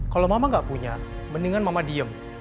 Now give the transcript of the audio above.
kalau mama gak punya mendingan mama diem